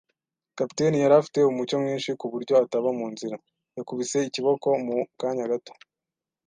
Kapiteni yari afite umucyo mwinshi kuburyo ataba munzira. Yakubise ikiboko mu kanya gato,